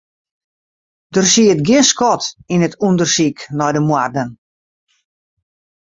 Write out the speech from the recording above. Der siet gjin skot yn it ûndersyk nei de moarden.